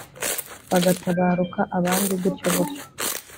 bagatabaruka. abandi gutyo gutyo.